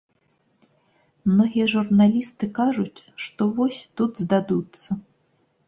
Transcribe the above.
Многія журналісты кажуць, што вось, тут здадуцца.